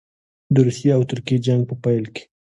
د روسیې او ترکیې جنګ په پیل کې.